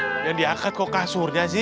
lu yang diangkat kok kasurnya sih